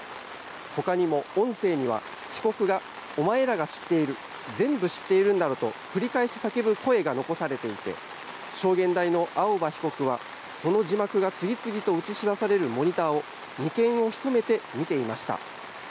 ほかにも音声には被告がお前らが知っている全部知ってるんだろと繰り返し叫ぶ声が残されていて証言台の青葉被告はその字幕が次々と映し出されるモニターを眉間をひそめて見ていました。